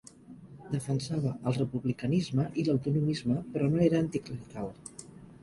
Defensava el republicanisme i l'autonomisme, però no era anticlerical.